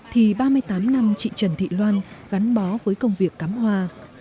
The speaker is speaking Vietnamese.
thì ba mươi tám năm chị trần thị loan gắn bó với công việc cắm hoa